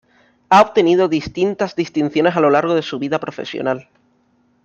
Ha obtenido distintas distinciones a lo largo de su vida profesional.